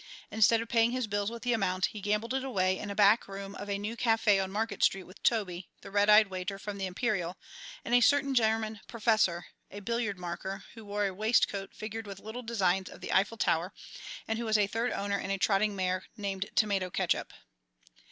Instead of paying his bills with the amount, he gambled it away in a back room of a new café on Market Street with Toby, the red eyed waiter from the Imperial, and a certain German "professor," a billiard marker, who wore a waistcoat figured with little designs of the Eiffel Tower, and who was a third owner in a trotting mare named Tomato Ketchup.